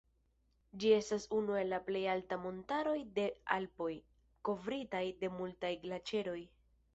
Ĝi estas unu el la plej altaj montaroj de Alpoj, kovritaj de multaj glaĉeroj.